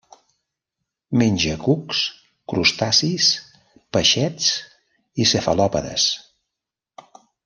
Menja cucs, crustacis, peixets i cefalòpodes.